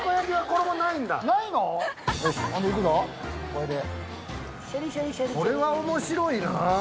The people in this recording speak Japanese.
これでこれは面白いな